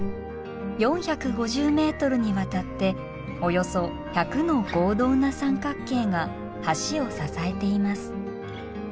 ４５０ｍにわたっておよそ１００の合同な三角形が橋を支えています。